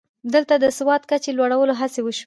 دلته د سواد کچې لوړولو هڅې وشوې